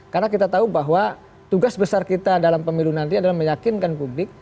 karena kita tahu bahwa tugas besar kita dalam pemilu nanti adalah meyakinkan publik